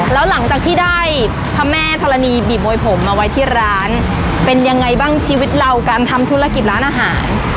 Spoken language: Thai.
แล้วหลังจากที่ได้พระแม่ธรณีบีบมวยผมมาไว้ที่ร้านเป็นยังไงบ้างชีวิตเราการทำธุรกิจร้านอาหาร